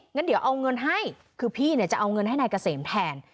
งั้นเดี๋ยวเอาเงินให้คือพี่เนี่ยจะเอาเงินให้นายเกษมแทน